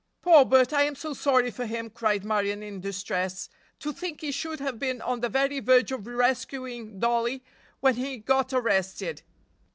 "Poor Bert! I am so sorry for him!" cried Marion in distress. "To think he should have been on the very verge of rescuing Dollie when he got arrested!"